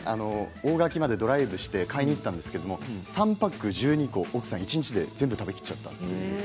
大垣までドライブして買いに行ったんですが３パック１２個、奥さんが一日で全部食べました。